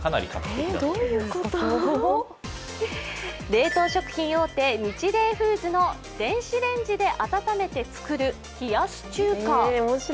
冷凍食品大手、ニチレイフーズの電子レンジで温めて作る冷やし中華。